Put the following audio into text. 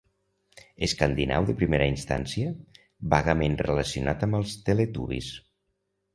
Escandinau de primera instància, vagament relacionat amb els Teletubbies.